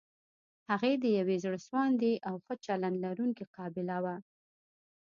هغې د يوې زړه سواندې او ښه چلند لرونکې قابله وه.